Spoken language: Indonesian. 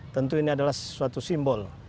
tentu ini adalah suatu simbol